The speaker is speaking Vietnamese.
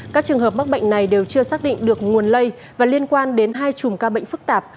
các trường hợp mắc bệnh này đều chưa xác định được nguồn lây và liên quan đến hai chùm ca bệnh phức tạp